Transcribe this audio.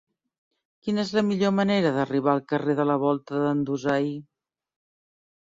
Quina és la millor manera d'arribar al carrer de la Volta d'en Dusai?